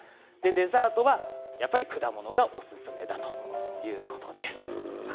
デザートはやっぱり果物がおすすめだということです。